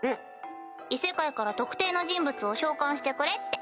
異世界から特定の人物を召喚してくれって。